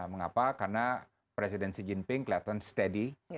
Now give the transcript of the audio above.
mengapa karena presiden xi jinping kelihatan steady